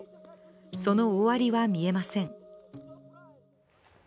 その終わりは見えません。